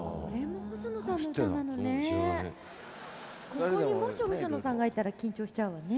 ここにもし細野さんがいたら緊張しちゃうわね？